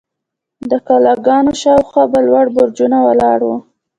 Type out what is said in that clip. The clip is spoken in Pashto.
د کلاګانو شاوخوا به لوړ برجونه ولاړ وو.